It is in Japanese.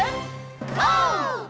オー！